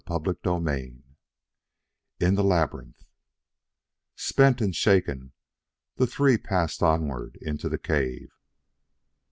CHAPTER VII In the Labyrinth Spent and shaken, the three passed onward into the cave.